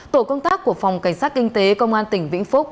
tổ công tác của phòng cảnh sát kinh tế công an tỉnh vĩnh phúc